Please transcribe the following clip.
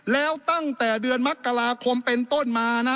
แล้วตั้งแต่เดือนมกราคมเป็นต้นมานะ